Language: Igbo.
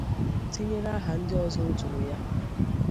tinyere aha ndị ọzọ o turu ya